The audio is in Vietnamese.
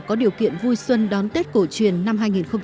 có điều kiện vui xuân đón tết cổ truyền năm hai nghìn một mươi chín